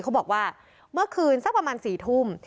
เขาบอกว่าเมื่อคืนสักประมาณ๔ทุ่ม